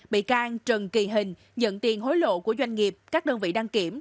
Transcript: bị can trần kỳ hình nhận tiền hối lộ của doanh nghiệp các đơn vị đăng kiểm